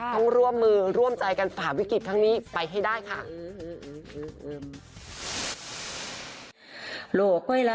ต้องร่วมมือร่วมใจกันฝ่าวิกฤตทั้งนี้ไปให้ได้ค่ะ